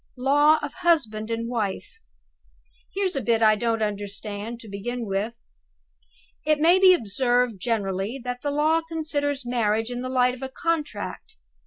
"Law of husband and wife. Here's a bit I don't understand, to begin with: 'It may be observed generally that the law considers marriage in the light of a Contract.